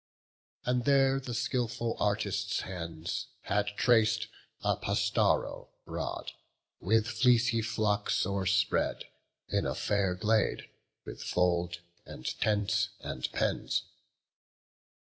And there the skilful artist's hand had trac'd A pastaro broad, with fleecy flocks o'erspread, In a fair glade, with fold, and tents, and pens.